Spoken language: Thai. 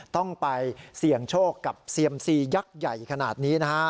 ต้องไปเสี่ยงโชคกับเซียมซียักษ์ใหญ่ขนาดนี้นะฮะ